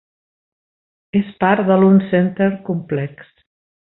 És part de l'Oncenter Complex.